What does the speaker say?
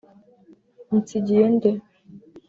Unsigiye nde